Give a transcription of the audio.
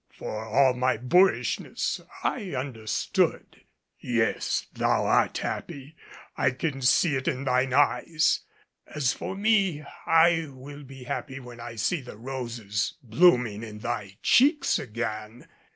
For all my boorishness, I understood. "Yes, thou art happy. I can see it by thine eyes. As for me, I will be happy when I see the roses blooming in thy cheeks again."